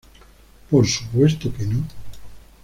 por supuesto que no